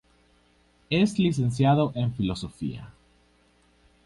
Es Licenciado en Filosofía.